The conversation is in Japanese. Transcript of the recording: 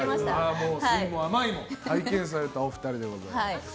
酸いも甘いも体験されたお二人でございます。